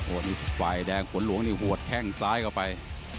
ส่วนฝ่ายแดงฝนหลวงนี่หัวแข้งซ้ายเข้าไป